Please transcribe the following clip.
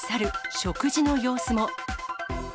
食事の様子も。